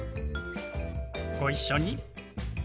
ご一緒に。